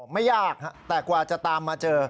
ไม่ยากแต่กว่าจะตามมาเจอ